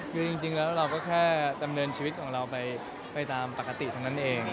คือจริงแล้วเราก็แค่ดำเนินชีวิตของเราไปตามปกติทั้งนั้นเอง